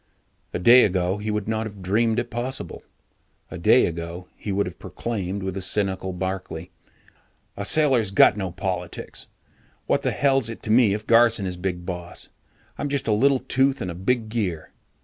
A day ago, he would not have dreamed it possible. A day ago, he would have proclaimed with the cynical Barkley, "A sailor's got no politics. What the hell's it to me if Garson is Big Boss? I'm just a little tooth in a big gear.